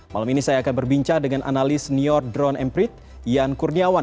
malam ini saya akan berbincang dengan analis new york drone and preach ian kurniawan